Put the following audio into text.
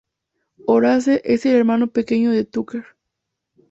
Horace es el hermano pequeño de Tucker.